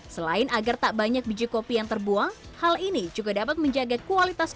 selain agar tak banyak biji kopi yang terbuang hal ini juga dapat menjaga kualitas